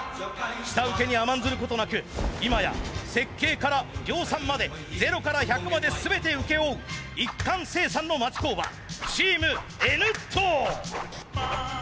下請けに甘んずることなく今や設計から量産まで０から１００まで全て請け負う一貫生産の町工場チームＮットー。